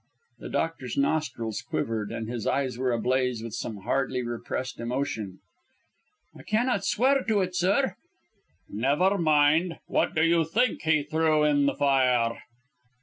The doctor's nostrils quivered, and his eyes were ablaze with some hardly repressed emotion. "I cannot swear to it, sir " "Never mind. What do you think he threw in the fire?"